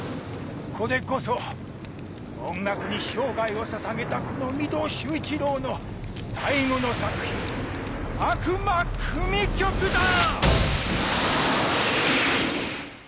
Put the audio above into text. これこそ音楽に生涯をささげたこの御堂周一郎の最後の作品『悪魔組曲』だ！